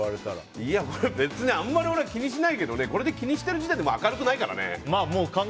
俺はあんまり別に気にしないけどこれで気にしてる時点で明るくないからね。